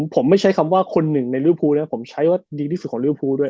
ผมไม่ใช้คำว่าคนหนึ่งในริวภูนะผมใช้ว่าดีที่สุดของลิวภูด้วย